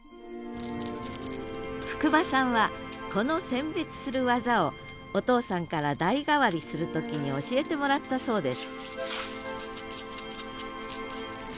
福間さんはこの選別する技をお父さんから代替わりする時に教えてもらったそうです